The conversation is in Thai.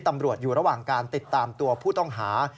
ตำรวจอยู่ระหว่างการติดตามตัวผู้ต้องหา